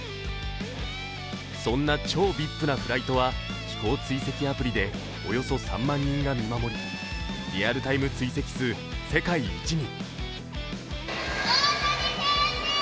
そんな超ＶＩＰなフライトは飛行追跡アプリでおよそ３万人が見守りリアルタイム追跡数世界一に。